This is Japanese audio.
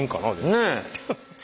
ねえ。